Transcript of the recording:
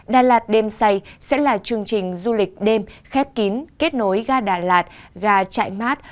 đà lạt đêm say sẽ là chương trình du lịch đêm khép kín kết nối gà đà lạt gà trại mát